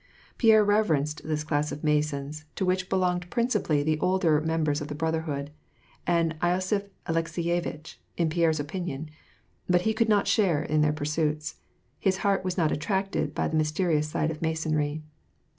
Pierre reverenced this class of Masons, to which belonged principally the older members of the Brotherhood — and losiph Alekseyevitch, in Pierre's opinion — but he could not share in their pursuits. His heart was not attracted by the mysterious side of Masonry.